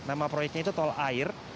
nama proyeknya itu tol air